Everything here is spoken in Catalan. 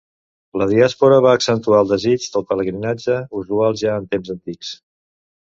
La diàspora va accentuar el desig del pelegrinatge, usual ja en temps antics.